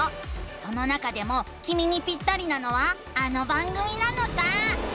その中でもきみにピッタリなのはあの番組なのさ！